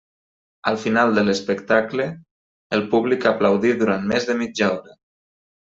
Al final de l'espectacle, el públic aplaudí durant més de mitja hora.